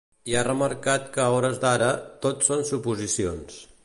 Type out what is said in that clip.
I ha remarcat que a hores d’ara ‘tot són suposicions’.